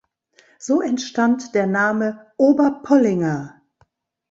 So entstand der Name „Oberpollinger“.